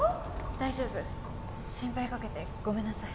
大丈夫心配かけてごめんなさい